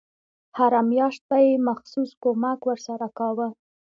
هره میاشت به یې مخصوص کمک ورسره کاوه.